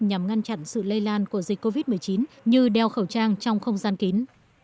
nhằm ngăn chặn sự lây lan của dịch covid một mươi chín như đeo khẩu trang trong không gian kín